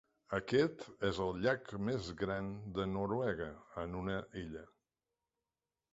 Aquest és el llac més gran de Noruega en una illa.